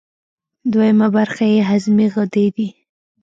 دویمه برخه یې هضمي غدې دي.